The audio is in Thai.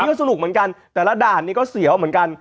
ก็สนุกเหมือนกันแต่ละด่านนี้ก็เสียวเหมือนกัน